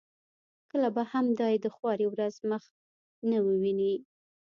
کله به هم دای د خوارې ورځې مخ نه وویني.